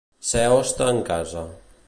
Ser hoste en casa.